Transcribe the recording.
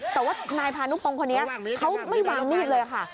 แต่ว่านายพานุพงศ์คนนี้เขาไม่วางมีดเลยค่ะ